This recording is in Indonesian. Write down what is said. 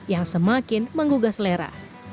yang semakin menggugah selera